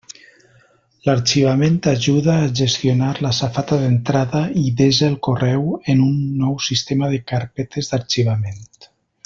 L'arxivament ajuda a gestionar la safata d'entrada i desa el correu en un nou sistema de carpetes d'arxivament.